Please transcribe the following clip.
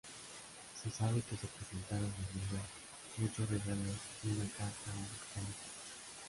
Se sabe que se presentaron en ella muchos regalos y una carta al Califa.